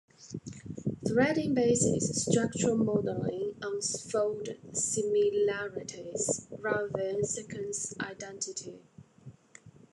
Threading bases structural modeling on fold similarities rather than sequence identity.